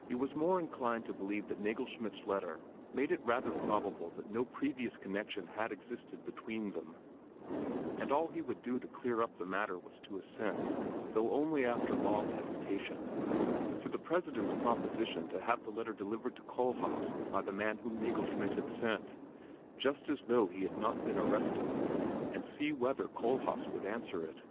He was more inclined to believe that Nagelschmidt's letter made it rather probable that no previous connection had existed between them, and all he would do to clear up the matter was to assent, though only after long hesitation, to the President's proposition to have the letter delivered to Kohlhaas by the man whom Nagelschmidt had sent, just as though he had not been arrested, and see whether Kohlhaas would answer it.